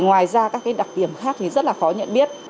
ngoài ra các cái đặc điểm khác thì rất là khó nhận biết